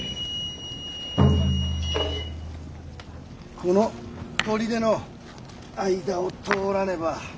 この砦の間を通らねば。